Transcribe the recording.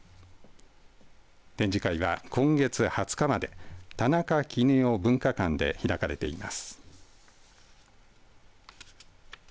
展示会は今月２０日まで田中絹代ぶんか館で開かれています。